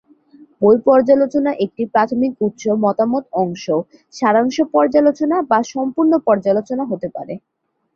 বই পর্যালোচনা একটি প্রাথমিক উৎস, মতামত অংশ, সারাংশ পর্যালোচনা বা সম্পূর্ণ পর্যালোচনা হতে পারে।